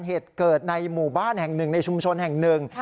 เหตุเกิดในหมู่บ้านแห่งหนึ่งในชุมชนแห่งหนึ่ง